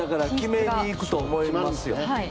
取りにいくと思います。